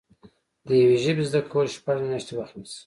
د یوې ژبې زده کول شپږ میاشتې وخت نیسي